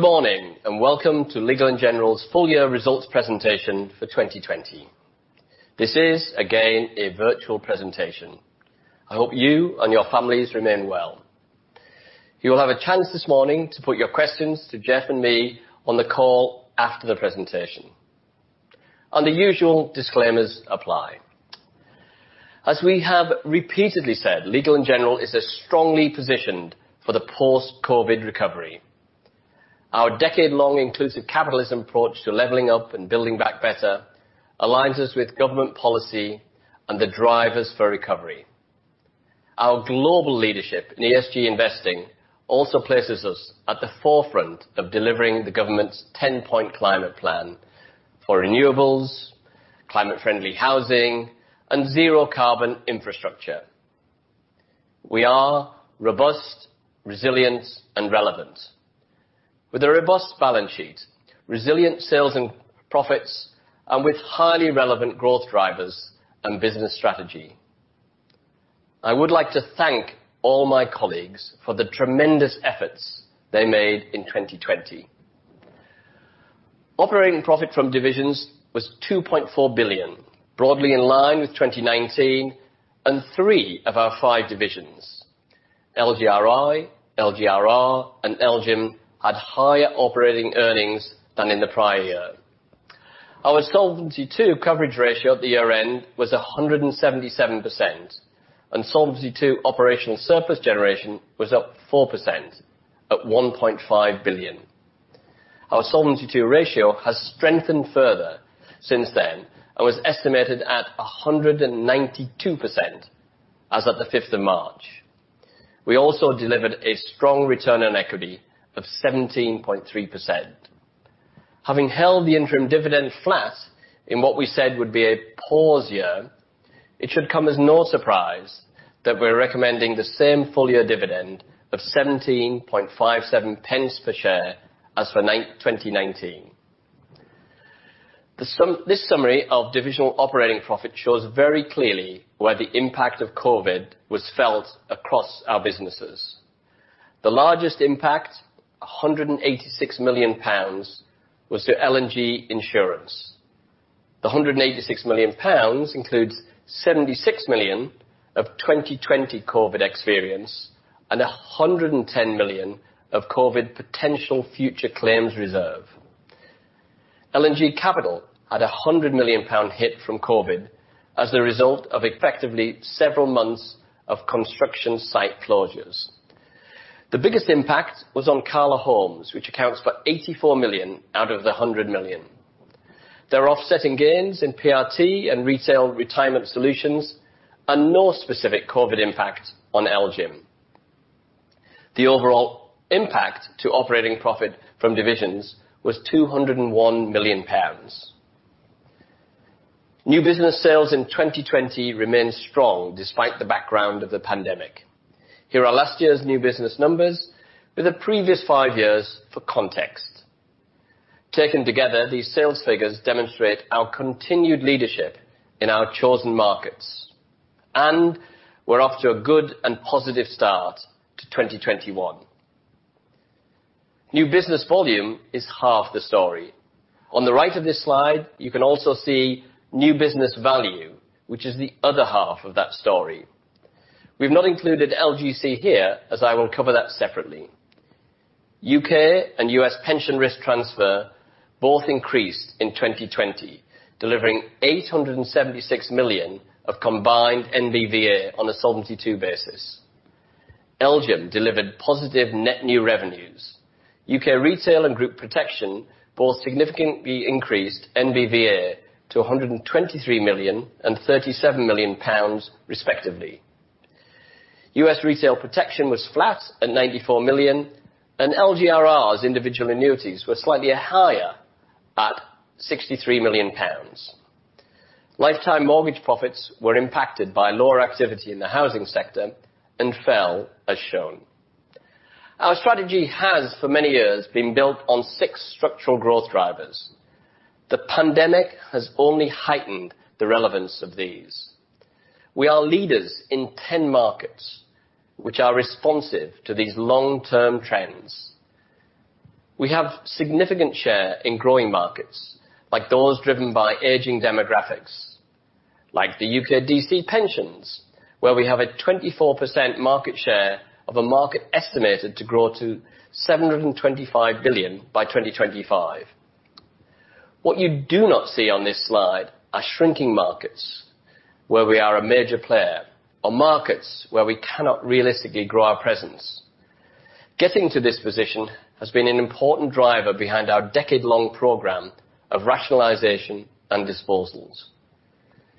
Good morning and welcome to Legal & General's full-year results presentation for 2020. This is, again, a virtual presentation. I hope you and your families remain well. You will have a chance this morning to put your questions to Jeff and me on the call after the presentation. Usual disclaimers apply. As we have repeatedly said, Legal & General is strongly positioned for the post-COVID recovery. Our decade-long inclusive capitalism approach to leveling up and building back better aligns us with government policy and the drivers for recovery. Our global leadership in ESG investing also places us at the forefront of delivering the government's 10-point climate plan for renewables, climate-friendly housing, and zero-carbon infrastructure. We are robust, resilient, and relevant. With a robust balance sheet, resilient sales and profits, and with highly relevant growth drivers and business strategy, I would like to thank all my colleagues for the tremendous efforts they made in 2020. Operating profit from divisions was 2.4 billion, broadly in line with 2019, and three of our five divisions, LGRI, LGRR, and LGIM, had higher operating earnings than in the prior year. Our Solvency II coverage ratio at the year-end was 177%, and Solvency II operational surplus generation was up 4% at 1.5 billion. Our Solvency II ratio has strengthened further since then and was estimated at 192% as of the 5th of March. We also delivered a strong return on equity of 17.3%. Having held the interim dividend flat in what we said would be a pause year, it should come as no surprise that we're recommending the same full-year dividend of 0.1757 per share as for 2019. This summary of divisional operating profit shows very clearly where the impact of COVID was felt across our businesses. The largest impact, 186 million pounds, was to L&G Insurance. The 186 million pounds includes 76 million of 2020 COVID experience and 110 million of COVID potential future claims reserve. L&G Capital had a 100 million pound hit from COVID as a result of effectively several months of construction site closures. The biggest impact was on CALA Homes, which accounts for 84 million out of the 100 million. There are offsetting gains in PRT and retail retirement solutions and no specific COVID impact on LGIM. The overall impact to operating profit from divisions was 201 million pounds. New business sales in 2020 remain strong despite the background of the pandemic. Here are last year's new business numbers with the previous five years for context. Taken together, these sales figures demonstrate our continued leadership in our chosen markets, and we are off to a good and positive start to 2021. New business volume is half the story. On the right of this slide, you can also see new business value, which is the other half of that story. We have not included LGC here, as I will cover that separately. U.K. and U.S. pension risk transfer both increased in 2020, delivering 876 million of combined NBVA on a Solvency II basis. LGIM delivered positive net new revenues. U.K. retail and group protection both significantly increased NBVA to 123 million and 37 million pounds, respectively. U.S. retail protection was flat at 94 million, and LGRR's individual annuities were slightly higher at 63 million pounds. Lifetime mortgage profits were impacted by lower activity in the housing sector and fell, as shown. Our strategy has, for many years, been built on six structural growth drivers. The pandemic has only heightened the relevance of these. We are leaders in 10 markets which are responsive to these long-term trends. We have a significant share in growing markets like those driven by aging demographics, like the U.K. DC pensions, where we have a 24% market share of a market estimated to grow to 725 billion by 2025. What you do not see on this slide are shrinking markets where we are a major player or markets where we cannot realistically grow our presence. Getting to this position has been an important driver behind our decade-long program of rationalization and disposals.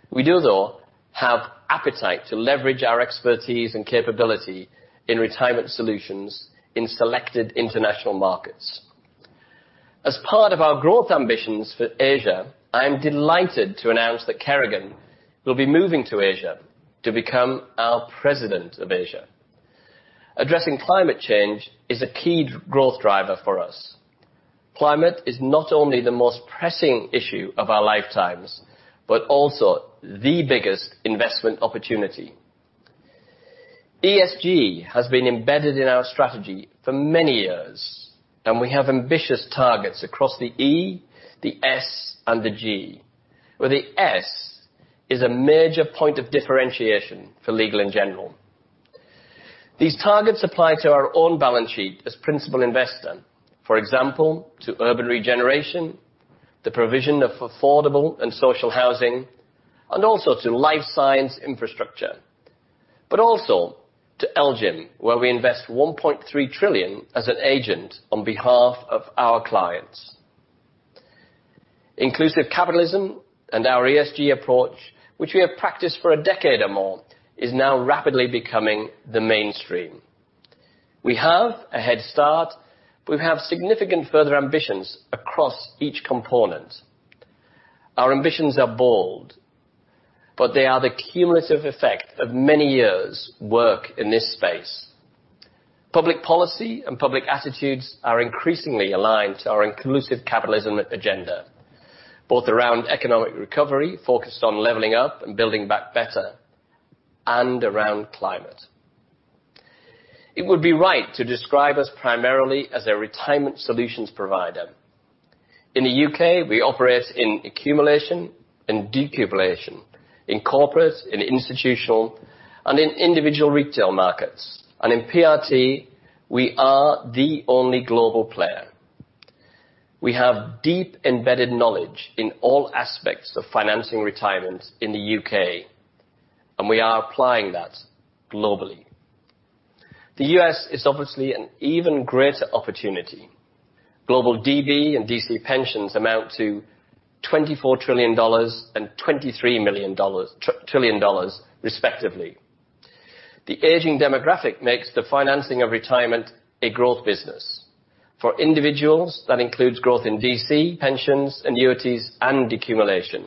We do, though, have appetite to leverage our expertise and capability in retirement solutions in selected international markets. As part of our growth ambitions for Asia, I am delighted to announce that Kerrigan will be moving to Asia to become our President of Asia. Addressing climate change is a key growth driver for us. Climate is not only the most pressing issue of our lifetimes, but also the biggest investment opportunity. ESG has been embedded in our strategy for many years, and we have ambitious targets across the E, the S, and the G, where the S is a major point of differentiation for Legal & General. These targets apply to our own balance sheet as principal investor, for example, to urban regeneration, the provision of affordable and social housing, and also to life science infrastructure, but also to LGIM, where we invest 1.3 trillion as an agent on behalf of our clients. Inclusive capitalism and our ESG approach, which we have practiced for a decade or more, is now rapidly becoming the mainstream. We have a head start, but we have significant further ambitions across each component. Our ambitions are bold, but they are the cumulative effect of many years' work in this space. Public policy and public attitudes are increasingly aligned to our inclusive capitalism agenda, both around economic recovery focused on Levelling Up and Build Back Better, and around Climate. It would be right to describe us primarily as a retirement solutions provider. In the U.K., we operate in accumulation and decumulation in corporate, in institutional, and in individual retail markets, and in PRT, we are the only global player. We have deep embedded knowledge in all aspects of financing retirement in the U.K., and we are applying that globally. The U.S. is obviously an even greater opportunity. Global DB and DC pensions amount to $24 trillion and $23 trillion, respectively. The aging demographic makes the financing of retirement a growth business for individuals. That includes growth in DC pensions, annuities, and decumulation.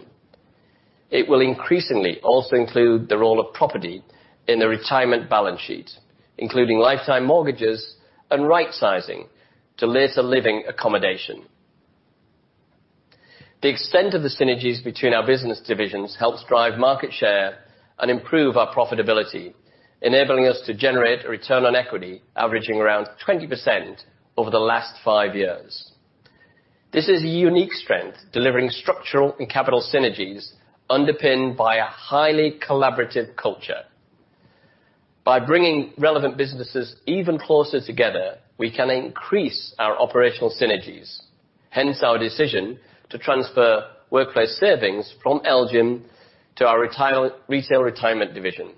It will increasingly also include the role of property in the retirement balance sheet, including lifetime mortgages and rightsizing to later living accommodation. The extent of the synergies between our business divisions helps drive market share and improve our profitability, enabling us to generate a return on equity averaging around 20% over the last five years. This is a unique strength, delivering structural and capital synergies underpinned by a highly collaborative culture. By bringing relevant businesses even closer together, we can increase our operational synergies. Hence our decision to transfer workplace savings from LGIM to our retail retirement division.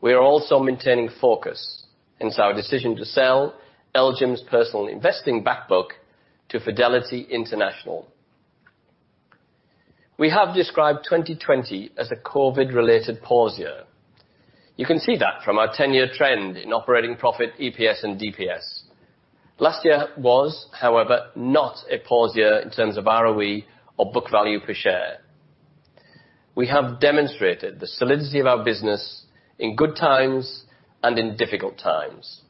We are also maintaining focus in our decision to sell LGIM's personal investing backbook to Fidelity International. We have described 2020 as a COVID-related pause year. You can see that from our 10-year trend in operating profit, EPS, and DPS. Last year was, however, not a pause year in terms of ROE or book value per share. We have demonstrated the solidity of our business in good times and in difficult times.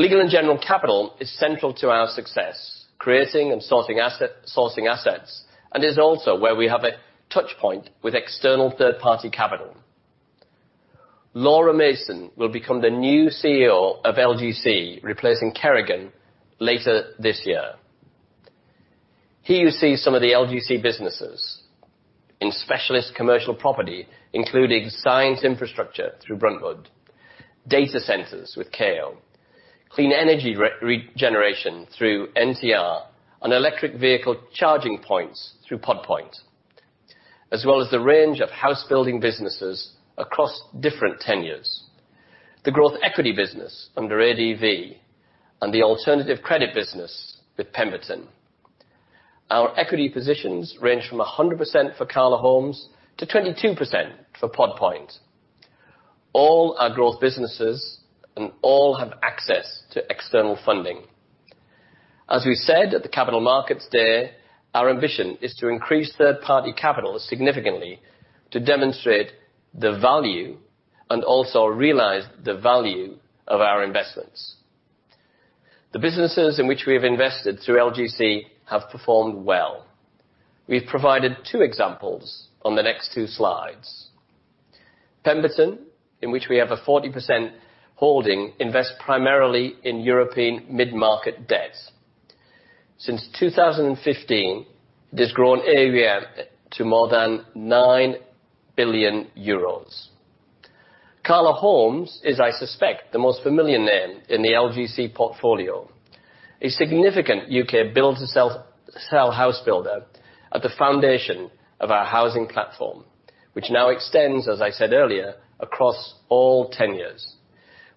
Legal & General Capital is central to our success, creating and sourcing assets, and is also where we have a touchpoint with external third-party capital. Laura Mason will become the new CEO of LGC, replacing Kerrigan later this year. Here you see some of the LGC businesses in specialist commercial property, including science infrastructure through Bruntwood, data centers with Kao, clean energy regeneration through NTR, and electric vehicle charging points through Pod Point, as well as the range of house-building businesses across different ten years, the growth equity business under ADV, and the alternative credit business with Pemberton. Our equity positions range from 100% for CALA Homes to 22% for Pod Point. All our growth businesses all have access to external funding. As we said at the capital markets day, our ambition is to increase third-party capital significantly to demonstrate the value and also realize the value of our investments. The businesses in which we have invested through LGC have performed well. We've provided two examples on the next two slides. Pemberton, in which we have a 40% holding, invests primarily in European mid-market debt. Since 2015, it has grown every year to more than 9 billion euros. CALA Homes is, I suspect, the most familiar name in the LGC portfolio, a significant U.K. build-to-sell house builder at the foundation of our housing platform, which now extends, as I said earlier, across all 10 years.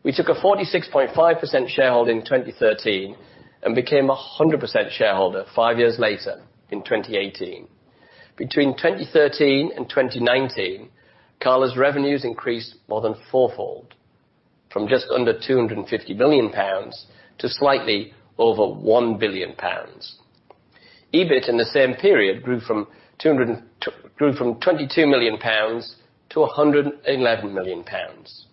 We took a 46.5% shareholding in 2013 and became a 100% shareholder five years later in 2018. Between 2013 and 2019, CALA's revenues increased more than fourfold, from just under 250 million pounds to slightly over 1 billion pounds. EBIT in the same period grew from 22 million pounds to 111 million pounds.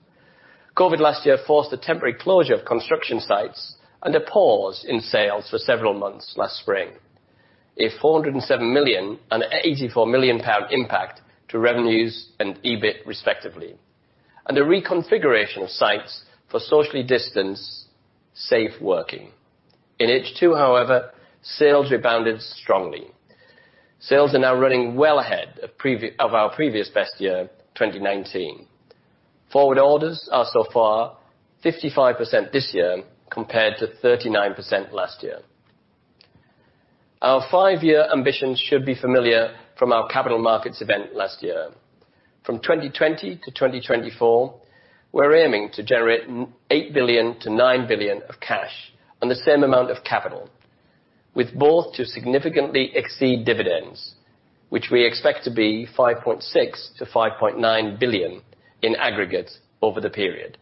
COVID last year forced a temporary closure of construction sites and a pause in sales for several months last spring, a 407 million and 84 million pound impact to revenues and EBIT, respectively, and a reconfiguration of sites for socially distanced safe working. In H2, however, sales rebounded strongly. Sales are now running well ahead of our previous best year, 2019. Forward orders are so far 55% this year compared to 39% last year. Our five-year ambitions should be familiar from our capital markets event last year. From 2020-2024, we're aiming to generate 8 billion-9 billion of cash and the same amount of capital, with both to significantly exceed dividends, which we expect to be 5.6 billion-5.9 billion in aggregate over the period.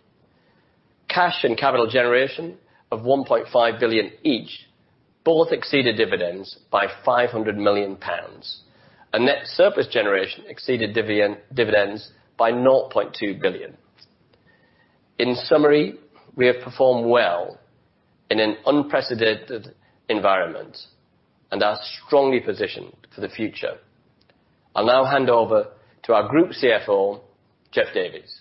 Cash and capital generation of 1.5 billion each both exceeded dividends by 500 million pounds, and net surplus generation exceeded dividends by 0.2 billion. In summary, we have performed well in an unprecedented environment and are strongly positioned for the future. I'll now hand over to our Group CFO, Jeff Davies.